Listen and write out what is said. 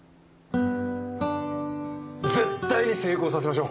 絶対に成功させましょう。